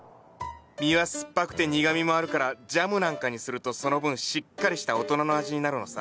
実は酸っぱくて苦みもあるからジャムなんかにするとその分しっかりした大人の味になるのさ。